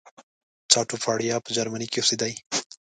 چاټوپاړیا په جرمني کې اوسېدی.